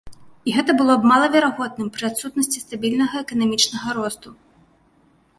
І гэта было б малаверагодным пры адсутнасці стабільнага эканамічнага росту.